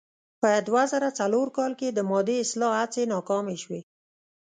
په دوه زره څلور کال کې د مادې اصلاح هڅې ناکامې شوې.